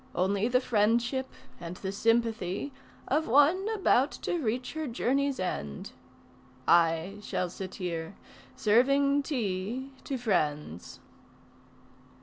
Only the friendship and the sympathy Of one about to reach her journey's end. I shall sit here, serving tea to friends...."